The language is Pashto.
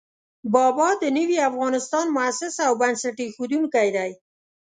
بابا د نوي افغانستان مؤسس او بنسټ اېښودونکی دی.